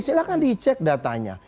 silahkan dicek datanya